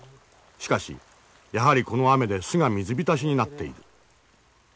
しかしやはりこの雨で巣が水浸しになっている。